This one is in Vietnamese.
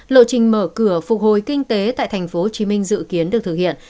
lộ trình mở cửa phục hồi kinh tế tại tp hcm dự kiến được thực hiện